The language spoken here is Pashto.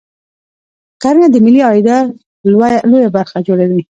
کرنه د ملي عاید لویه برخه جوړوي